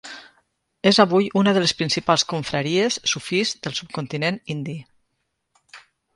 És avui una de les principals confraries sufís del subcontinent indi.